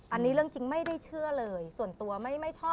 อันนี้เรื่องจริงไม่ได้เชื่อเลยส่วนตัวไม่ชอบ